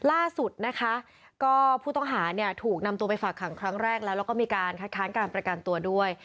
ล่าสุดนะคะก็ผู้ต้องหาเนี่ยถูกนำตัวไปฝากขังครั้งแรกแล้วแล้วก็มีการคัดค้านการประกันตัวด้วย